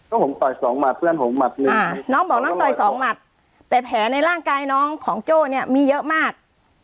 ก็ผมต่อยสองหมัดเพื่อนผมหมัดหนึ่งน้องบอกน้องต่อยสองหมัดแต่แผลในร่างกายน้องของโจ้เนี่ยมีเยอะมาก